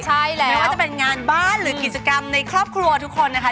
ใช่แล้วไม่ว่าจะเป็นงานบ้านหรือกิจกรรมในครอบครัวทุกคนนะคะ